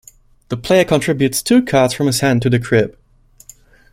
The player contributes two cards from his hand to the crib.